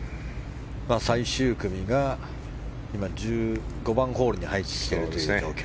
最終組が今１５番ホールに入っている状況。